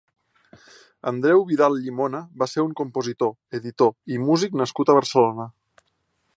Andreu Vidal Llimona va ser un compositor, editor i músic nascut a Barcelona.